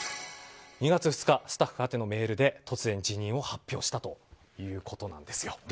２月２日スタッフ宛てのメールで突然、辞任を発表したということなんです。